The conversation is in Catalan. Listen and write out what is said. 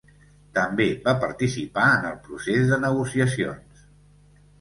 També va participar en el procés de negociacions.